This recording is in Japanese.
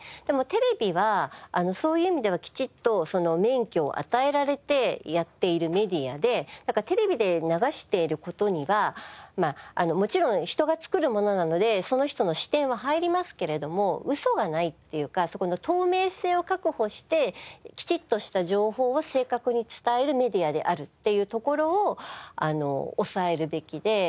でもテレビはそういう意味ではきちっとその免許を与えられてやっているメディアでだからテレビで流している事にはもちろん人が作るものなのでその人の視点は入りますけれども嘘がないっていうかそこの透明性を確保してきちっとした情報を正確に伝えるメディアであるっていうところを押さえるべきで。